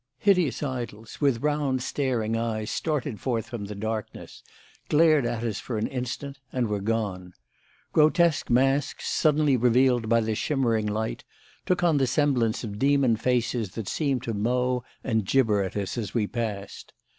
Hideous idols with round, staring eyes started forth from the darkness, glared at us for an instant and were gone. Grotesque masks, suddenly revealed by the shimmering light, took on the semblance of demon faces that seemed to mow and gibber at us as we passed.